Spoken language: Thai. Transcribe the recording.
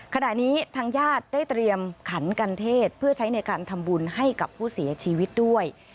ขณะนี้ทางญาติได้เตรียมขันกันเทศเพื่อใช้ในการทำบุญให้กับผู้เสียชีวิตด้วย